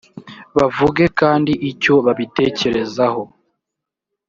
bavuge kandi icyo babitekerezaho .